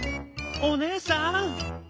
おねえさん！」。